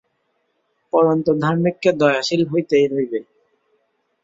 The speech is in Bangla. পরন্তু ধার্মিককে দয়াশীল হইতেই হইবে।